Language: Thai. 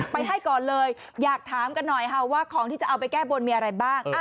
ไปให้ก่อนเลยอยากถามกันหน่อยค่ะว่าของที่จะเอาไปแก้บนมีอะไรบ้าง